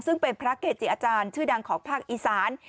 ซึ่งเป็นพระเกจิอาจารย์ชื่อดังของภาคอีสาน